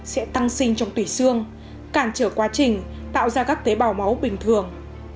sẽ tăng sinh trong tủy xương cản trở quá trình tạo ra các tế bào máu bình thường